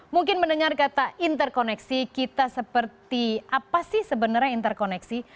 mungkin mendengar kata interkoneksi kita seperti apa sih sebenarnya interkoneksi